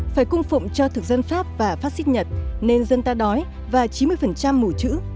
phải cung phụng cho thực dân pháp và pháp xích nhật nên dân ta đói và chín mươi mủ chữ